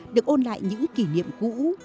được ôn lại những kỷ niệm cũ